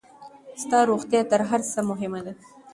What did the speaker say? ستا روغتيا تر هر څۀ مهمه ده.